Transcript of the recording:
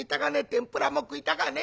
天ぷらも食いたかねえ。